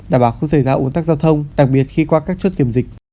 đảm bảo không xảy ra ủn tắc giao thông đặc biệt khi qua các chốt kiểm dịch